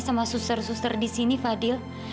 sama suster suster di sini fadil